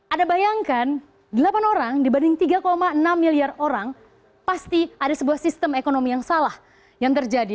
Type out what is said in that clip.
anda bayangkan delapan orang dibanding tiga enam miliar orang pasti ada sebuah sistem ekonomi yang salah yang terjadi